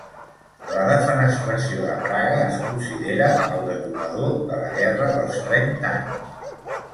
La defenestració de Praga es considera el detonador de la Guerra dels Trenta Anys.